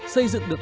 xây dựng được